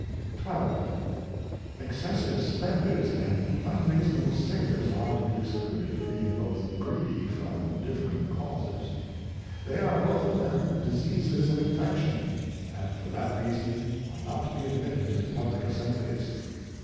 XII. Excessive Spenders and unreasonable Savers are to be Excluded, being both greedy from differing Causes. They are both of them Diseases of Infection, and for that Reason are not to be admitted into Publick Assemblies.